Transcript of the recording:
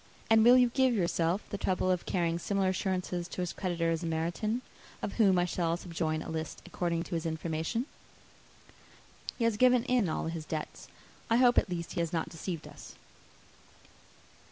And will you give yourself the trouble of carrying similar assurances to his creditors in Meryton, of whom I shall subjoin a list, according to his information? He has given in all his debts; I hope at least he has not deceived us.